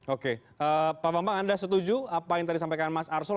oke pak bambang anda setuju apa yang tadi sampaikan mas arsul